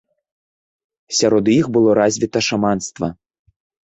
Сярод іх было развіта шаманства.